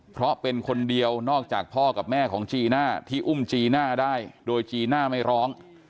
เพราะเป็นคนเดียวนอกจากพ่อกับแม่ของจีน่าที่อุ้มจีน่าได้โดยจีน่าไม่ร้อง